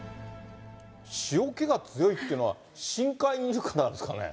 塩気が強いっていうのは、深海にいるからですかね。